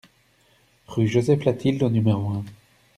Rue Joseph Latil au numéro un